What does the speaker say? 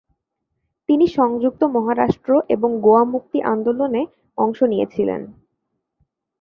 তিনি সংযুক্ত মহারাষ্ট্র এবং গোয়া মুক্তি আন্দোলনে অংশ নিয়েছিলেন।